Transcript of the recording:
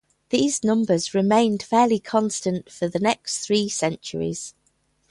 These numbers remained fairly constant for the next three centuries.